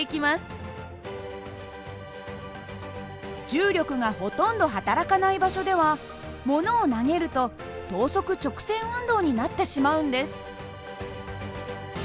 重力がほとんどはたらかない場所ではものを投げると等速直線運動になってしまうんです。